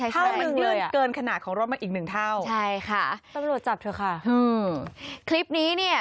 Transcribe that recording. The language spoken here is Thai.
เท่านึงเลื่อนเกินขนาดของรถมันอีกหนึ่งเท่าตำรวจจับเถอะค่ะคลิปนี้เนี่ย